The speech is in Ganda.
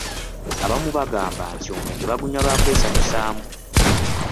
Abamu bagamba nti omwenge bagunywa lwa kwesanyusaamu.